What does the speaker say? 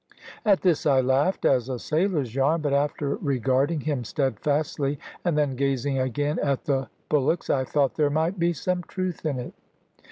At this I laughed, as a sailor's yarn; but after regarding him steadfastly, and then gazing again at the bullocks, I thought there might be some truth in it.